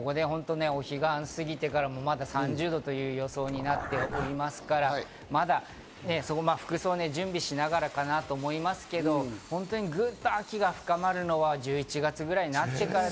お彼岸を過ぎてからも３０度という予想になっておりますから、服装を準備しながらかなと思いますけど、グッと秋が深まるのは１１月ぐらいになってから。